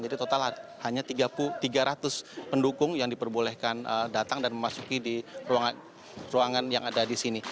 jadi total hanya tiga ratus pendukung yang diperbolehkan datang dan memasuki di ruangan yang ada di sini